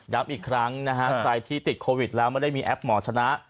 อีกครั้งนะฮะใครที่ติดโควิดแล้วไม่ได้มีแอปหมอชนะ